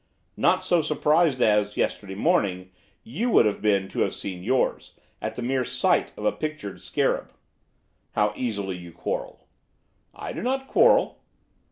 'Not so surprised as, yesterday morning, you would have been to have seen yours, at the mere sight of a pictured scarab.' 'How easily you quarrel.' 'I do not quarrel.